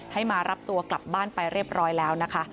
ให้มารับตัวกลับบ้านไปเรียบร้อยแล้วนะคะ